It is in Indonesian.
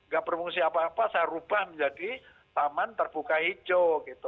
gak berfungsi apa apa saya ubah menjadi taman terbuka hijau gitu